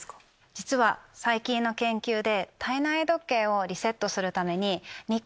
実は最近の研究で。